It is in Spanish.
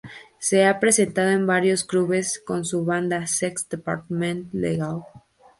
Se ha presentado en varios clubes con su banda "Sex Departament Legal".